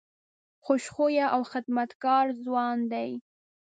خوش خویه او خدمتګار ځوان دی.